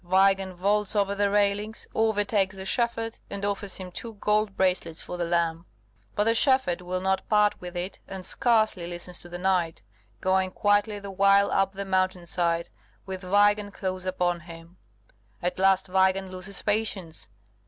Weigand vaults over the railings, overtakes the shepherd, and offers him two gold bracelets for the lamb. But the shepherd will not part with it, and scarcely listens to the knight, going quietly the while up the mountain side, with Weigand close upon him. At last Weigand loses patience.